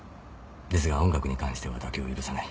ですが音楽に関しては妥協を許さない。